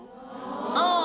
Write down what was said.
ああ。